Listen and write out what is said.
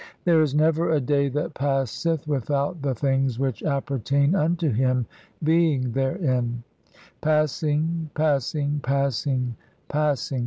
There is never a day that passeth "without (24) the things which appertain unto him being therein; "passing, passing, passing, passing.